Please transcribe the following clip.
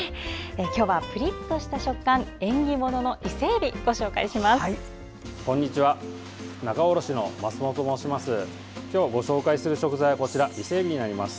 今日は、プリッとした食感縁起ものの伊勢えびご紹介します。